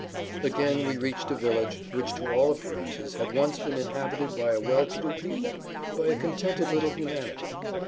Again we reached a village which to all appearances had once been inhabited by a well to do people, by a contented little humanity.